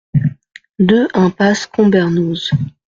deux impasse Combernoz